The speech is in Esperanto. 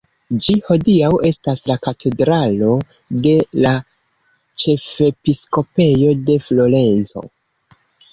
Ĝi hodiaŭ estas la katedralo de la ĉefepiskopejo de Florenco.